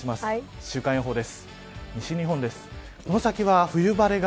週間予報です。